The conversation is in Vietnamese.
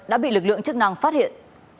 đã bị lực lượng chức năng phát hiện